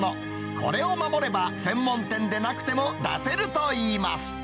これを守れば、専門店でなくても出せるといいます。